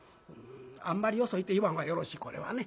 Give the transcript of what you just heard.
あんまりよそ行って言わん方がよろしいこれはね。